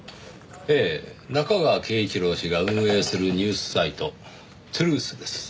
ええ中川敬一郎氏が運営するニュースサイト『ＴＲＵＴＨ』です。